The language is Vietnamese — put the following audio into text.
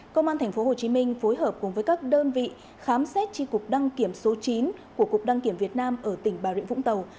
công an tp hcm phối hợp cùng với các đơn vị khám xét tri cục đăng kiểm số chín của cục đăng kiểm việt nam ở tỉnh bà rịa vũng tàu